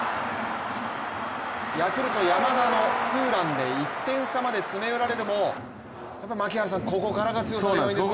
ヤクルト・山田のツーランで１点差まで詰め寄られるも槙原さん、ここからが強さの要因ですね。